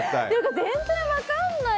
全然分からない。